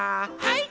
はい！